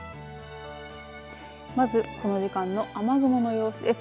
まずこの時間の雨雲の様子です。